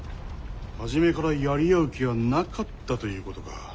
初めからやり合う気はなかったということか。